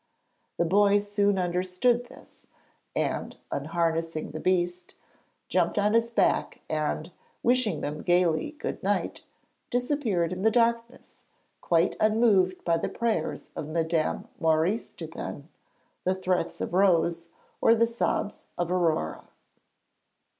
The boy soon understood this, and, unharnessing the beast, jumped on his back and, wishing them gaily good night, disappeared in the darkness, quite unmoved by the prayers of Madame Maurice Dupin, the threats of Rose, or the sobs of Aurore.